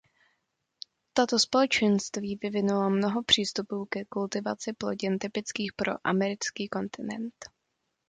Tato společenství vyvinula mnoho přístupů ke kultivaci plodin typických pro americký kontinent.